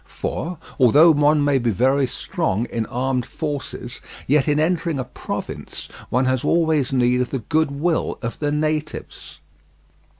For, although one may be very strong in armed forces, yet in entering a province one has always need of the goodwill of the natives.